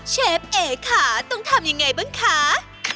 เชฟเอ๋ค่ะต้องทำยังไงบ้างคะ